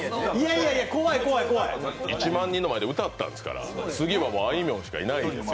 １万人の前で歌ったんですから、次はあいみょんさんの前しかないですよ。